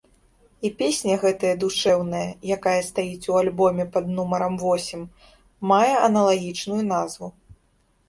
І песня гэтая душэўная, якая стаіць у альбоме пад нумарам восем, мае аналагічную назву.